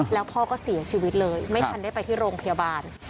แล้วพ่อก็เสียชีวิตเลยไม่ทันได้ไปที่โรงพยาบาล